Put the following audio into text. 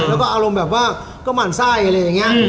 แล้วก็อารมณ์แบบว่าก็หมั่นไส้อะไรอย่างนี้